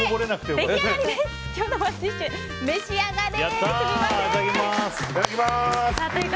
今日のＯｎｅＤｉｓｈ召し上がれ！